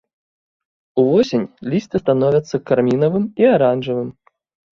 Увосень лісце становяцца кармінавым і аранжавым.